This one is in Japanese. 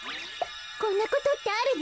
こんなことってあるの？